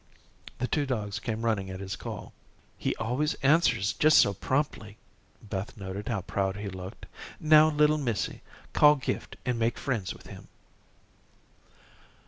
The two dogs came running at his call. "He always answers just so promptly." Beth noted how proud he looked. "Now little missy, call Gift and make friends with him."